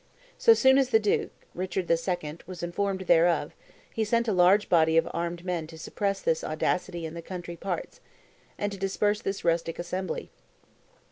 So soon as the duke (Richard II.) was informed thereof, he sent a large body of armed men to suppress this audacity in the country parts, and to disperse this rustic assembly.